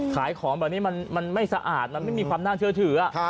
ขายของแบบนี้มันไม่สะอาดมันไม่มีความน่าเชื่อถือ